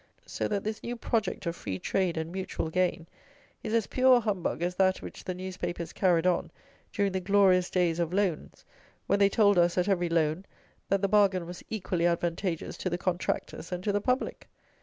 So that this new project of "free trade" and "mutual gain" is as pure a humbug as that which the newspapers carried on during the "glorious days" of loans, when they told us, at every loan, that the bargain was "equally advantageous to the contractors and to the public!"